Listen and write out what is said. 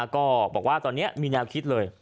ก็บอกว่าตอนนี้มีแนวคิดเลย